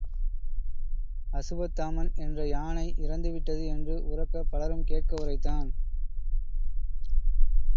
அசுவத்தாமன் என்ற யானை இறந்து விட்டது என்று உரக்கப் பலரும் கேட்க உரைத்தான்.